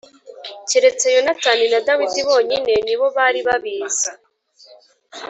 keretse Yonatani na Dawidi bonyine ni bo bari babizi.